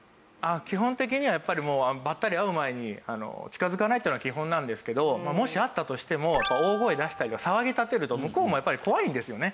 基本的にはやっぱりばったり会う前に近づかないっていうのが基本なんですけどもし会ったとしてもやっぱ大声出したり騒ぎ立てると向こうもやっぱり怖いんですよね。